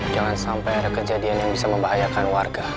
jangan sampai ada kejadian yang bisa membahayakan warga